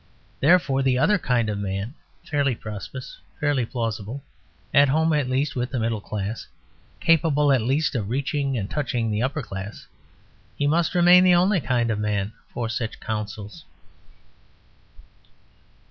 Therefore, the other Kind of Man, fairly prosperous, fairly plausible, at home at least with the middle class, capable at least of reaching and touching the upper class, he must remain the only Kind of Man for such councils.